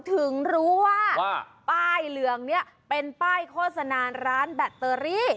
ถึงรู้ว่าป้ายเหลืองนี้เป็นป้ายโฆษณาร้านแบตเตอรี่